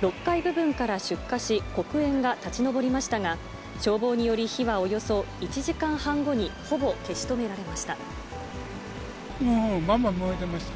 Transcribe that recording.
６階部分から出火し、黒煙が立ち上りましたが、消防により、火はおよそ１時間半後にほばんばん燃えてました。